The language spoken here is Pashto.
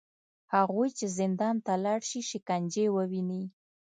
هغوی چې زندان ته لاړ شي، شکنجې وویني